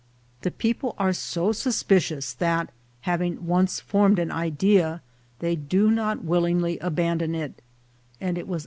The people are so suspicious that, having once formed an idea, they do not willingly abandon it, and it was.